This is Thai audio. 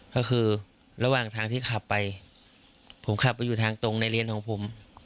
ก็คือระหว่างทางที่ขับไปผมขับไปอยู่ทางตรงในเลนของผม